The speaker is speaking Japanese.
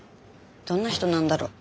どんな人なんだろ。